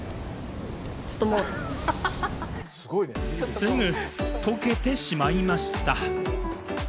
すぐ溶けてしまいました。